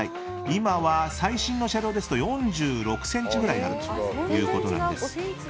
今は最新の車両ですと４６ｃｍぐらいということです。